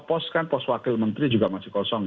pos kan pos wakil menteri juga masih kosong